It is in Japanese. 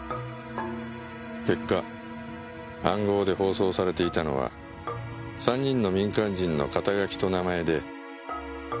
結果暗号で放送されていたのは３人の民間人の肩書きと名前で。